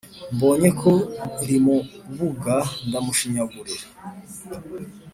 mbonye ko rimubaga ndamushinyagurira,